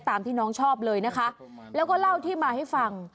ตามที่น้องชอบเลยนะคะแล้วก็เล่าที่มาให้ฟัง